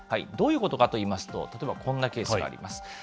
どういうことかといいますと、例えば、こんなケースがあります。